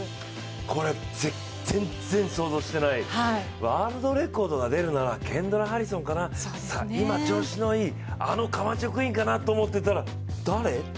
これ、全然想像してない、ワールドレコードが出るならケンドラ・ハリソンかな、今、調子のいいあのカマチョ・クインかなと思っていたら、誰？